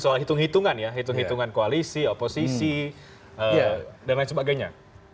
soal hitung hitungan ya hitung hitungan koalisi oposisi dan lain sebagainya